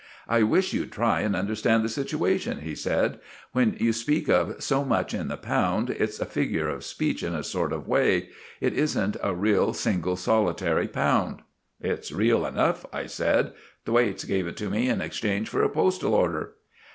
"I wish you'd try and understand the situation," he said. "When you speak of so much in the pound, it's a figure of speech in a sort of way. It isn't a real, single, solitary pound." "It's real enough," I said; "Thwaites gave it to me in exchange for a postal order."